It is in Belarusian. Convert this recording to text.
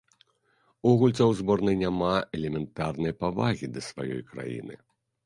У гульцоў зборнай няма элементарнай павагі да сваёй краіны.